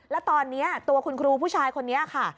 แล้วตอนนี้ตัวคุณครูผู้ชายคนนี้ค่ะ